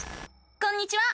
こんにちは！